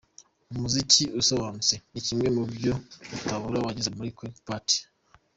Umuziki usobanutse ni kimwe mu byo utabura wageze muri Quelque Part.